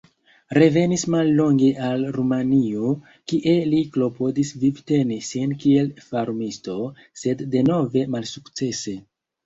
Revenis mallonge al Rumanio, kie li klopodis vivteni sin kiel farmisto, sed denove malsukcese.